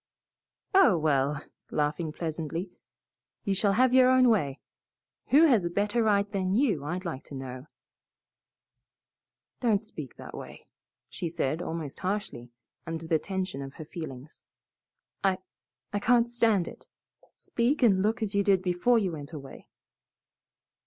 "Oh, well!" laughing pleasantly, "you shall have your own way. Who has a better right than you, I'd like to know?" "Don't speak that way," she said, almost harshly, under the tension of her feelings. "I I can't stand it. Speak and look as you did before you went away."